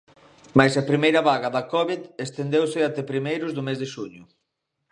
Mais a primeira vaga da Covid estendeuse até primeiros do mes de xuño.